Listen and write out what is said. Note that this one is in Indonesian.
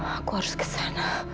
aku harus kesana